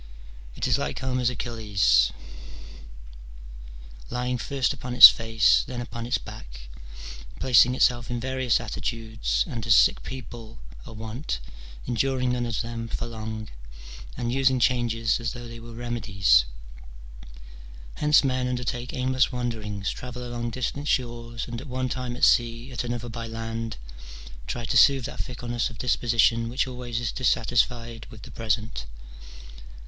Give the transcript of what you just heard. It is like Homer's Achilles, s 258 MINOR DIALOGUES. [bK. IX. lying first upon its face, then npon its back, placing itself in various attitudes, and, as sick people are wont, enduring none of them for long, and using changes as though they were remedies. Hence men undertake aimless wanderings, travel along distant shores, and at one time at sea, at another by land, try to soothe that fickleness of disposition which always is dissatisfied with the present.